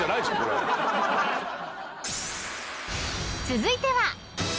［続いては］